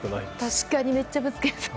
確かにめっちゃぶつけそう。